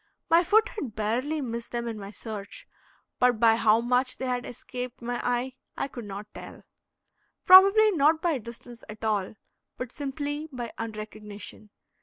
My foot had barely missed them in my search, but by how much they had escaped my eye I could not tell. Probably not by distance at all, but simply by unrecognition.